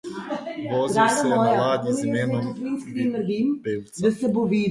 Vozil se je na ladji z imenom Bibavica.